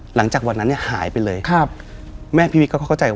หลังจากวันนั้นเนี่ยหายไปเลยแม่พิวิตก็เข้าใจว่า